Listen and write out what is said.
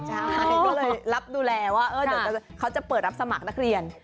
ใช่ก็เลยรับดูแลว่าเดี๋ยวเขาจะเปิดรับสมัครนักเรียน